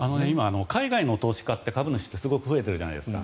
今、海外の投資家って株主って増えているじゃないですか。